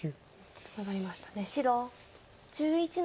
ツナがりましたね。